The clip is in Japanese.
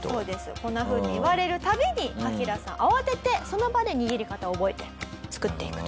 こんなふうに言われる度にカキダさん慌ててその場で握り方を覚えて作っていくと。